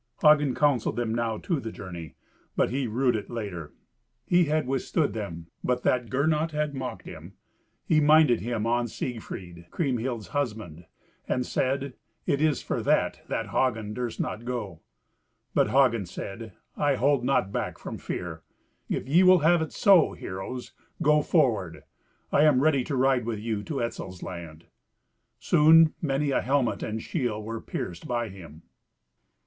Hagen counselled them now to the journey, but he rued it later. He had withstood them, but that Gernot had mocked him. He minded him on Siegfried, Kriemhild's husband, and said, "It is for that, that Hagen durst not go." But Hagen said, "I hold not back from fear. If ye will have it so, heroes, go forward. I am ready to ride with you to Etzel's land." Soon many a helmet and shield were pierced by him.